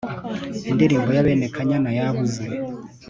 Indirimbo ya bene kanyana yabuze